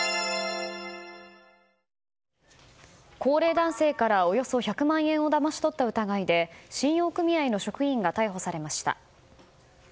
高齢男性からおよそ１００万円をだまし取った疑いで信用組合の職員が逮捕されました。